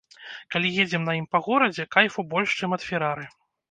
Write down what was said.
Калі едзем на ім па горадзе, кайфу больш, чым ад ферары.